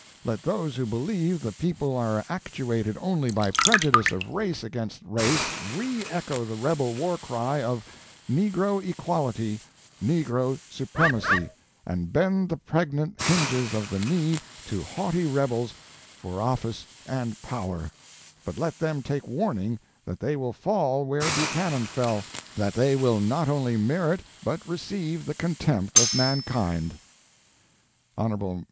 Let those who believe the people are actuated only by prejudice of race against race re echo the rebel war cry of "negro equality," "negro supremacy," and bend the pregnant hinges of the knee to haughty rebels for office and power; but let them take warning that they will fall where Buchanan fell, that they will not only merit but receive the contempt of mankind. Hon.